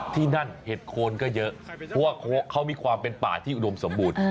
ที่นั่นเห็ดโคนก็เยอะเพราะว่าเขามีความเป็นป่าที่อุดมสมบูรณ์